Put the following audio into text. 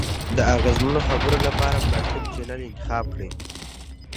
د اغیزمنو خبرو لپاره مناسب چینل انتخاب کړئ.